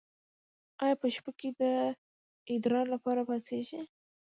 ایا په شپه کې د ادرار لپاره پاڅیږئ؟